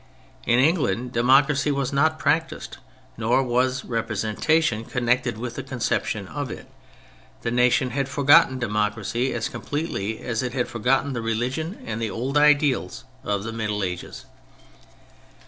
In England democracy was not practised nor was representation connected with the conception of it. The nation had forgotten democracy as completely as it had forgotten the religion and the old ideals of the Middle Ages.